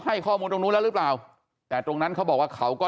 ข้อมูลตรงนู้นแล้วหรือเปล่าแต่ตรงนั้นเขาบอกว่าเขาก็